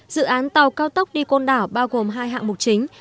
dự án tàu cao tốc đi côn đảo bao gồm hai hạng mục chính